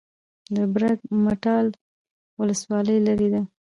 د برګ مټال ولسوالۍ لیرې ده